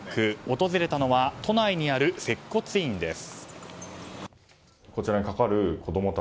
訪れたのは都内にある接骨院です。